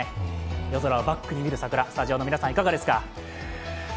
夜空をバックに見る桜、スタジオの皆さん、いかがですか。